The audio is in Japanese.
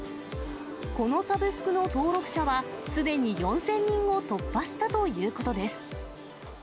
このサブスクの登録者は、すでに４０００人を突破したということです。